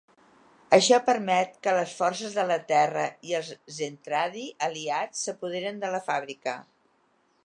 Això permet que les forces de la Terra i els Zentradi aliats s'apoderen de la fàbrica.